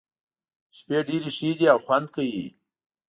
شپې ډېرې ښې دي او خوند کوي.